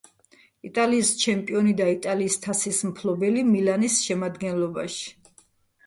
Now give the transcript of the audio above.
იტალიის ჩემპიონი და იტალიის თასის მფლობელი „მილანის“ შემადგენლობაში.